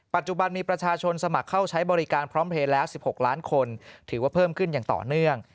ปัจจุบันมีประชาชนสมัครเข้าใช้บริการพร้อมเพลย์แล้ว๑๖ล้านคนถือว่าเพิ่มขึ้นอย่างต่อเนื่อง